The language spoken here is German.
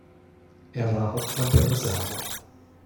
Er war Hauptmann der Reserve.